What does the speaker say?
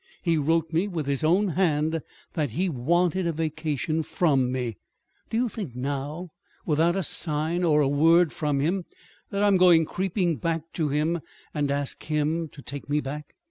He wrote me with his own hand that he wanted a vacation from me. Do you think now, without a sign or a word from him, that I am going creeping back to him and ask him to take me back?"